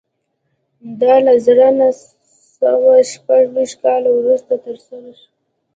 دا له زر نه سوه شپږ ویشت کال وروسته ترسره شوه